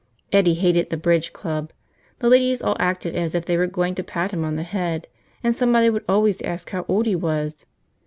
Eddie hated the bridge club. The ladies all acted as if they were going to pat him on the head, and somebody would always ask how old he was.